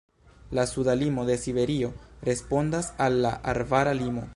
La suda limo de Siberio respondas al la arbara limo.